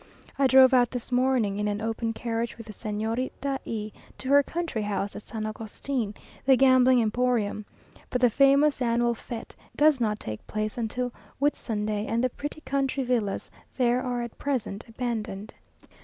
I drove out this morning in an open carriage with the Señorita E to her country house at San Agustin, the gambling emporium. But the famous annual fête does not take place till Whitsunday, and the pretty country villas there are at present abandoned.